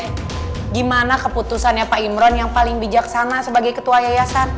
bagaimana keputusannya pak imron yang paling bijaksana sebagai ketua yayasan